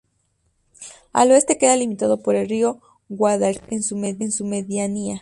Al oeste queda limitado por el río Guadalquivir en su medianía.